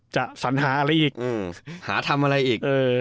จะสัญหาอะไรอีก